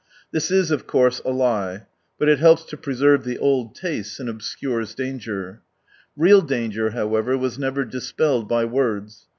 This is, of course, a lie, but it helps to preserve old tastes and obscures danger. Real danger, however, was never dispelled by words.